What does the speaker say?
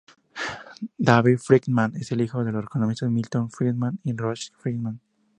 David Friedman es el hijo de los economistas Milton Friedman y Rose Friedman.